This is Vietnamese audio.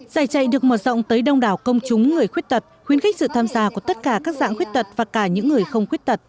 giải chạy được mở rộng tới đông đảo công chúng người khuyết tật khuyến khích sự tham gia của tất cả các dạng khuyết tật và cả những người không khuyết tật